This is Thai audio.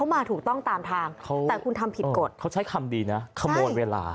มาถูกต้องตามทางแต่คุณทำผิดกฎเขาใช้คำดีนะขโมยเวลา